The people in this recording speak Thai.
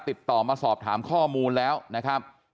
ติดต่อมาสอบถามข้อมูลแล้วนะครับ